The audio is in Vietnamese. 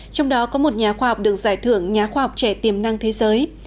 trong đó có một nhà khoa học được giải thưởng nhà khoa học trẻ tiềm năng thế giới